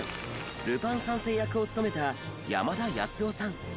ルパン三世役を務めた山田康雄さん。